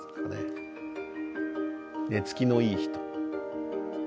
寝つきのいい人。